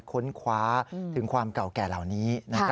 ค้นคว้าถึงความเก่าแก่เหล่านี้